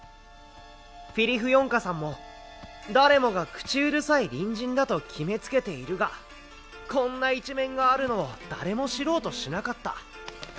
フィリフヨンカさんも誰もが口うるさい隣人だと決めつけているがこんな一面があるのを誰も知ろうとしなかった。